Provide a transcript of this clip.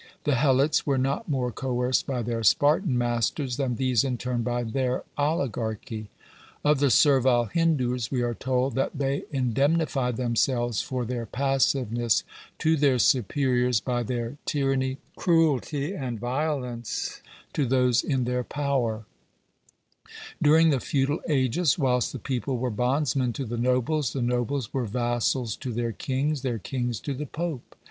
The Helots were not more coerced by their Spartan masters than these in turn by their oligarchy. Of the ser vile Hindoos we are told that " they indemnify themselves for their passiveness to their superiors by their tyranny, cruelty, and violence to those in their power/' During the feudal ages, whilst the people were bondsmen to the nobles, the nobles were vassals to their kings, their kings to the pope.